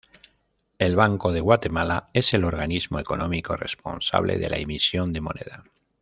El Banco de Guatemala es el organismo económico responsable de la emisión de moneda.